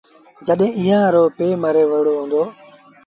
جڏهيݩ ايٚئآن رو پي مري وُهڙو هُݩدو۔